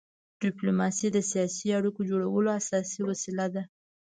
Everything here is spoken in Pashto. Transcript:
ډيپلوماسي د سیاسي اړیکو جوړولو اساسي وسیله ده.